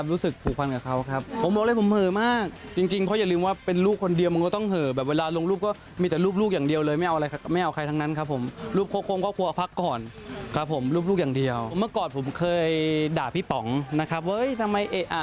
พอเรามีเราก็รู้เลยว่ามันเป็นยังไง